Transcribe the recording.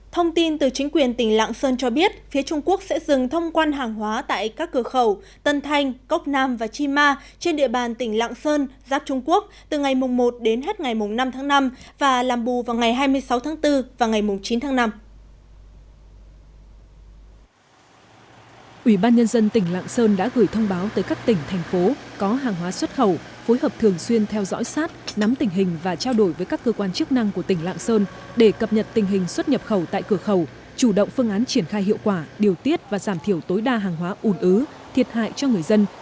thông tin từ chính quyền tỉnh lạng sơn cho biết phía trung quốc sẽ dừng thông quan hàng hóa tại các cửa khẩu tân thanh cốc nam và chi ma trên địa bàn tỉnh lạng sơn giáp trung quốc từ ngày một đến hết ngày năm tháng năm và làm bù vào ngày hai mươi sáu tháng bốn và ngày chín tháng năm